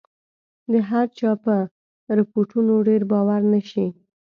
د هرچا په رپوټونو ډېر باور نه شي.